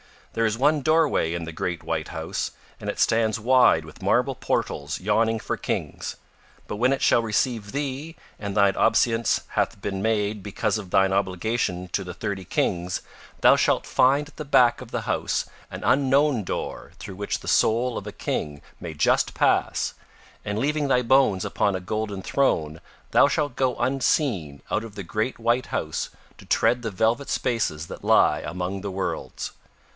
There is one doorway in the great white house, and it stands wide with marble portals yawning for kings, but when it shall receive thee, and thine obeisance hath been made because of thine obligation to the thirty Kings, thou shalt find at the back of the house an unknown door through which the soul of a King may just pass, and leaving thy bones upon a golden throne thou shalt go unseen out of the great white house to tread the velvet spaces that lie among the worlds.